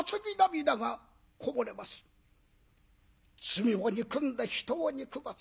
罪を憎んで人を憎まず。